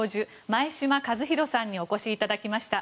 前嶋和弘さんにお越しいただきました。